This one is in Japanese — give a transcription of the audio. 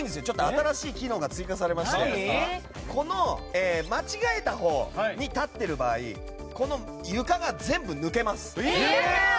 新しい機能が追加されまして間違えたほうに立っている場合この床が、全部抜けます。